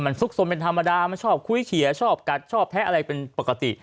ซุกซนเป็นธรรมดามันชอบคุยเฉียชอบกัดชอบแทะอะไรเป็นปกติ